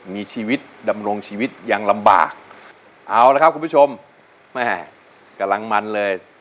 มีชีวิตดำรงชีวิตยังลำบากเอาละครับคุณผู้ชมแม่กำลังมันเลย